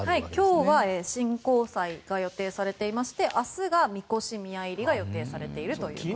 今日は神幸祭が予定されていまして明日が神輿宮入が予定されているということです。